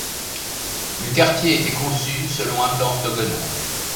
Le quartier était conçu selon un plan orthogonal.